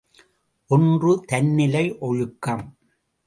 ஒன்று தன்னிலை ஒழுக்கம்.